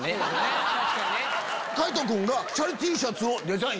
海人君が。